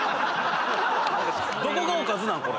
どこがおかずなん？